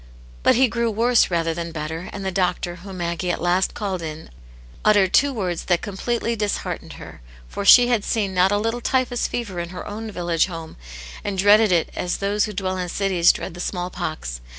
But he grew worse rather than better, and the doctor, whom Maggie at last called in, uttered two words that completely disheartened her, for she had seen not a little typhus fever in her own village home and dreaded it as those who dwell in cities dread the small pox.